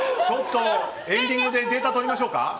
ちょっと、エンディングでデータをとりましょうか？